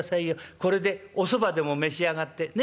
これでおそばでも召し上がってねっ。